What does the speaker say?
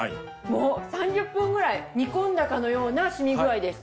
３０分ぐらい煮込んだかのような染み具合です。